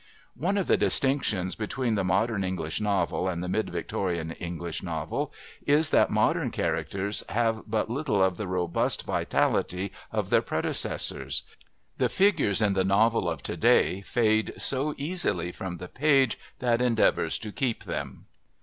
One of the distinctions between the modern English novel and the mid Victorian English novel is that modern characters have but little of the robust vitality of their predecessors; the figures in the novel of to day fade so easily from the page that endeavours to keep them.